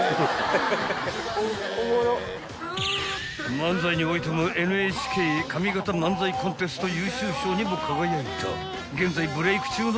［漫才においてもＮＨＫ上方漫才コンテスト優秀賞にも輝いた］